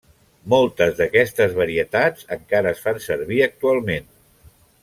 Moltes d'aquestes varietats encara es fan servir actualment.